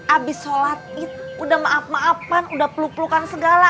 abis sholat udah maaf maafan udah peluk pelukan segala